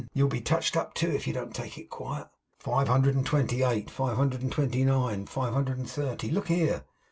You'll be touched up, too, if you don't take it quiet.' 'Five hundred and twenty eight, five hundred and twenty nine, five hundred and thirty. Look here!